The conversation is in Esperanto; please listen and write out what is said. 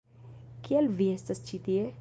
Kial vi estas ĉi tie?